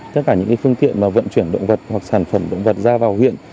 tất cả những cái phương tiện mà vận chuyển động vật hoặc sản phẩm động vật ra vào huyện